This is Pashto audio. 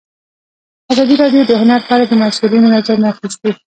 ازادي راډیو د هنر په اړه د مسؤلینو نظرونه اخیستي.